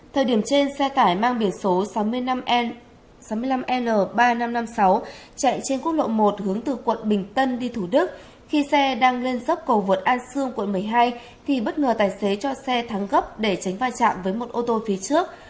thời điểm trên xe tải mang biển số sáu mươi năm n sáu mươi năm l ba nghìn năm trăm năm mươi sáu chạy trên quốc lộ một hướng từ quận bình tân đi thủ đức khi xe đang lên dốc cầu vượt an sương quận một mươi hai thì bất ngờ tài xế cho xe thắng gấp để tránh va chạm với một ô tô phía trước